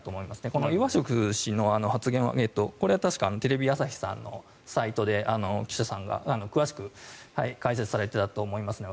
このイワショフ氏の発言は確かテレビ朝日さんのサイトで記者さんが詳しく解説されていたと思いますね。